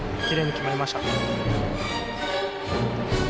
きれいに決まりました。